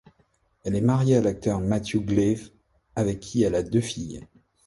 Elle est mariée à l'acteur Matthew Glave avec qui elle a deux filles.